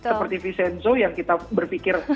seperti viscenzo yang kita berpikir